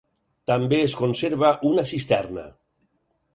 També es conserva una cisterna.